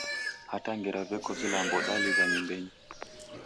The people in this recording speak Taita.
Hata ngera veko vilambo daliw'a nyumbeni.